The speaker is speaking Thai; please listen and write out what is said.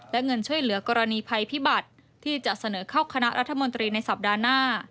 และเงินช่วยเหลือกรณีภัยพิบัติที่จะเสนอเข้าคณะรัฐมนตรีในสัปดาห์หน้า